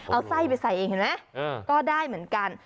เอาไส้ไปใส่เองเห็นไหมก็ได้เหมือนกัน